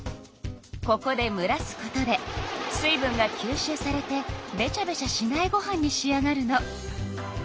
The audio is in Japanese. ここでむらすことで水分がきゅうしゅうされてべちゃべちゃしないご飯に仕上がるの。